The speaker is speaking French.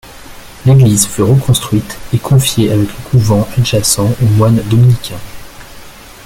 L'église fut reconstruite et confiée avec le couvent adjacent aux moines Dominicains.